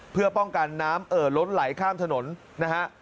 เพื่อป้องกันน้ำเอ่อล้นไหลข้ามถนนนะฮะ